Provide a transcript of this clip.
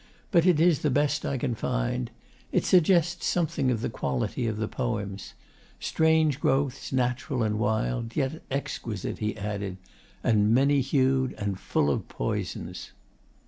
But it is the best I can find. It suggests something of the quality of the poems.... Strange growths, natural and wild, yet exquisite,' he added, 'and many hued, and full of poisons.